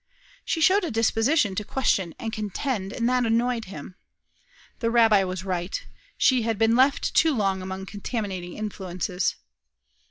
She showed a disposition to question and contend, that annoyed him. The rabbi was right. She had been left too long among contaminating influences.